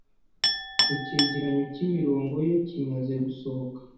Icyegeranyo cyimirongo ye kimaze gusohoka.